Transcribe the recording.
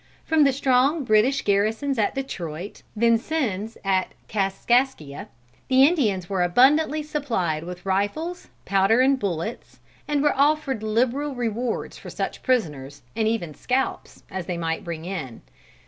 From the strong British garrisons at Detroit, Vincennes and Kaskaskia, the Indians were abundantly supplied with rifles, powder and bullets, and were offered liberal rewards for such prisoners, and even scalps, as they might bring in.